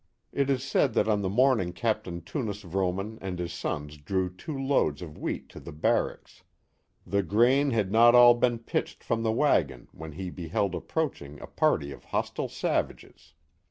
It is said that on that morning Capt. Tunis Vrooman and his sons drew two loads of wheat to the barracks. The grain had not »1] been pitched from the wagon when he beheld ap proaching a party of hostile savages.